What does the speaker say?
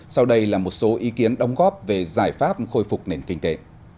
sau đây là một số ý kiến đóng góp về giải pháp khôi phục nền kinh tế